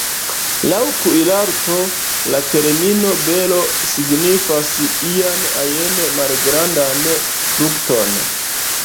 Laŭ kuirarto, la termino ""bero"" signifas ian ajn malgrandan frukton.